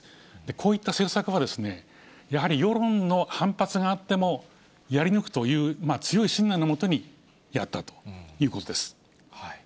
こういった政策は、やはり世論の反発があってもやり抜くという強い信念のもとにやったということ